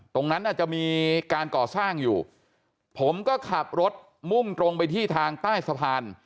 ตรงนั้นอาจจะมีการก่อสร้างอยู่ผมก็ขับรถมุ่งตรงไปที่ทางใต้สะพาน